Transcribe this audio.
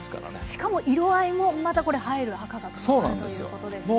しかも色合いもまたこれ映える赤が加わるということですね。